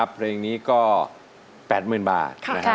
เพลงนี้ก็๘๐๐๐บาท